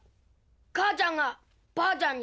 母ちゃんがばあちゃんに。